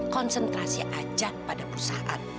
konsentrasi aja pada perusahaan